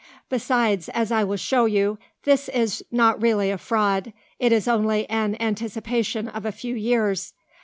Besides, as I will show you, this is not really a fraud. It is only an anticipation of a few years.